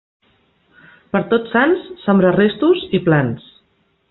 Per Tots Sants, sembrar restos i plans.